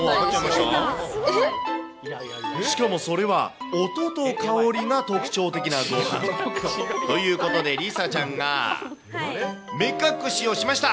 しかもそれは、音と香りが特徴的なごはん。ということで、梨紗ちゃんが目隠しをしました。